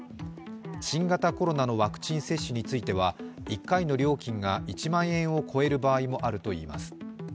新型コロナのワクチン接種については１回の料金が１万円を超える場合もあるといいます。